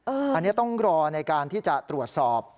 อันนี้ต้องรอในการที่จะตรวจสอบ